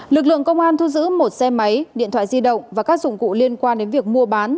lực lượng công an thu giữ một xe máy điện thoại di động và các dụng cụ liên quan đến việc mua bán